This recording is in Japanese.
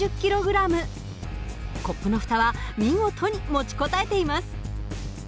コップの蓋は見事に持ちこたえています。